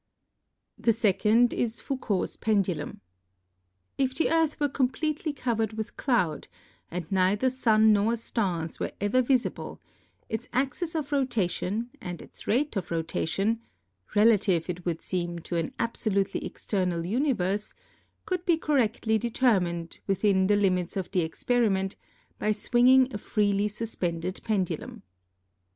The second is Foucault's pendulum. If the Earth were completely covered with cloud, and neither Sun nor stars were ever visible, its axis of rotation, and its rate of rotation — relative, it would seem, to an absolutely AND RELATIVITY 15 external universe — could be correctly determined, within the limits of the experiment, by swinging a freely sus pended pendulum.